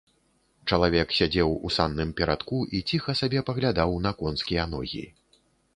Чалавек сядзеў у санным перадку і ціха сабе паглядаў на конскія ногі.